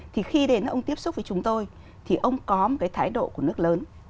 thì khi đến ông tiếp xúc với chúng tôi thì ông có một cái thái độ của nước lớn